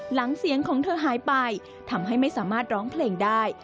หลังเสียงของเธอหายไปทำให้ไม่สามารถร้องเพลงได้